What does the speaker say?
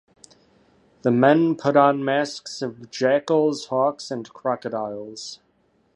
The men put on masks of jackals, hawks, and crocodiles.